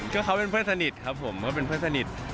ก็เขาเป็นเพื่อนสนิทครับผมก็เป็นเพื่อนสนิท